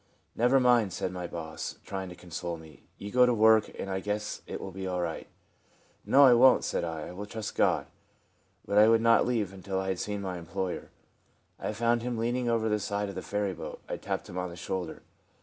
" Never mind," said my boss, trying to console me ;" you go to work and I guess it will be all right." " No, I wont," said I ;" I will trust God." But I would not leave until I had seen my employer. I found him leaning over the side of the ferryboat. I tapped him on the shoulder.